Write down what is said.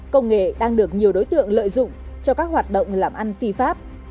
công nghệ đang được nhiều đối tượng lợi dụng cho các hoạt động làm ăn phi pháp